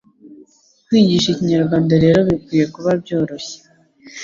Kwigisha Ikinyarwanda rero bikwiye kuba byoroshye